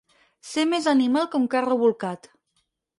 Ser més animal que un carro bolcat.